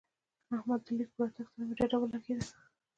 د احمد د ليک په راتګ سره مې ډډه ولګېده.